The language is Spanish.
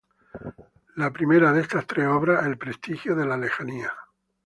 La primera de estas tres obras, "El prestigio de la lejanía.